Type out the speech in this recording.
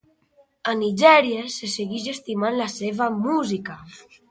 A Nigèria, se segueix estimant la seva música.